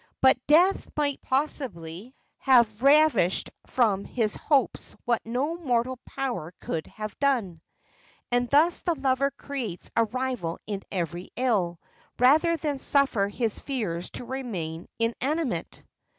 "But death might possibly have ravished from his hopes what no mortal power could have done." And thus the lover creates a rival in every ill, rather than suffer his fears to remain inanimate.